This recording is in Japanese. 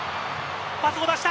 パスを出した。